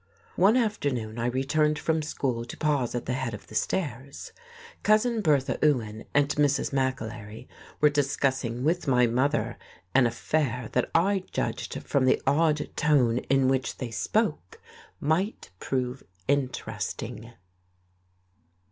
One afternoon I returned from school to pause at the head of the stairs. Cousin Bertha Ewan and Mrs. McAlery were discussing with my mother an affair that I judged from the awed tone in which they spoke might prove interesting.